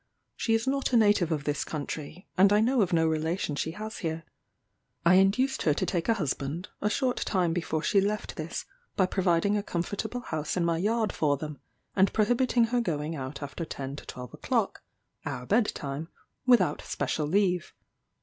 She is not a native of this country, and I know of no relation she has here. I induced her to take a husband, a short time before she left this, by providing a comfortable house in my yard for them, and prohibiting her going out after 10 to 12 o'clock (our bed time) without special leave.